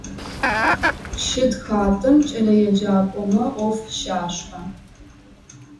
Чъытхатэм кӏэлэеджакӏомэ ӏоф щашӏэ.